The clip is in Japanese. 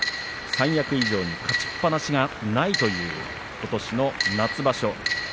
三役以上に勝ちっぱなしはいませんことしの夏場所です。